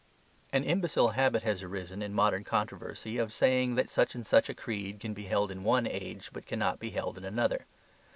An imbecile habit has arisen in modern controversy of saying that such and such a creed can be held in one age but cannot be held in another.